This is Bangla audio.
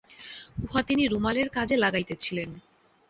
উহা তিনি রুমালের কাজে লাগাইতেছিলেন।